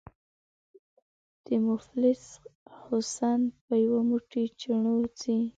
” د مفلس حُسن په یو موټی چڼو ځي”